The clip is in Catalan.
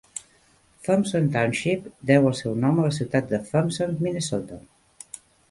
Thomson Township deu el seu nom a la ciutat de Thomson, Minnesota.